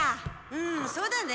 うんそうだね。